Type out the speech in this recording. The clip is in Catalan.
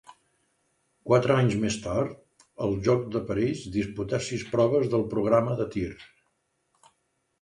Quatre anys més tard, als Jocs de París, disputà sis proves del programa de tir.